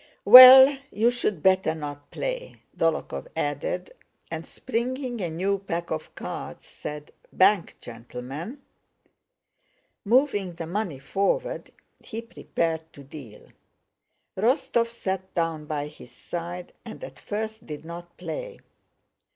"Well, you'd better not play," Dólokhov added, and springing a new pack of cards said: "Bank, gentlemen!" Moving the money forward he prepared to deal. Rostóv sat down by his side and at first did not play.